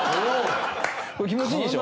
これ気持ちいいでしょ？